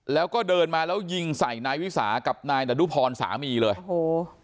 แล้วก็เดินมาแล้วยิงใส่นายวิสากับนายดรุพรสามีเลยโอ้โห